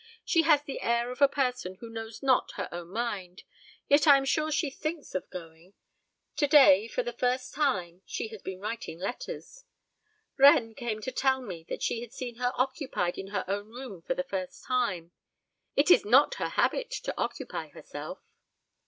She has the air of a person who knows not her own mind. Yet I am sure she thinks of going. To day, for the first time, she has been writing letters. Reine came to tell me she had seen her occupied in her own room for the first time. It is not her habit to occupy herself."